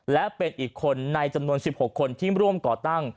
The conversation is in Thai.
และเป็นอีกคนในจำนวน๑๖คนที่ร่วมก่อตั้ง